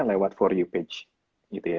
lewat for you page gitu ya